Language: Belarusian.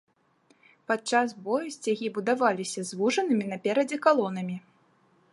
Падчас бою сцягі будаваліся звужанымі наперадзе калонамі.